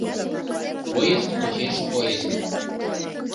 Поезд почеш поезд